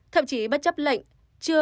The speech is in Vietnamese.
thậm chí bất chấp lệnh